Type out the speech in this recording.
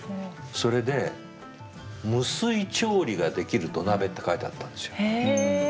それで無水調理ができる土鍋って書いてあったんですよ。